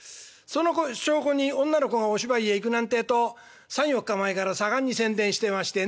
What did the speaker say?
その証拠に女の子がお芝居へ行くなんてえと３４日前から盛んに宣伝してまして。